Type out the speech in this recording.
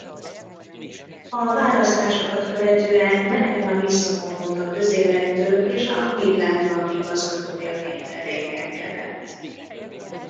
A választásokat követően McKenna visszavonult a közélettől és a Midland Bank igazgatójaként tevékenykedett.